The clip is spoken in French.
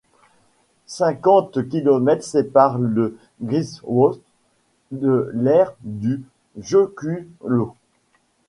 Cinquante kilomètres séparent le Grímsvötn de l'aire du jökulhlaup.